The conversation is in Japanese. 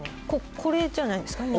これじゃないんですか。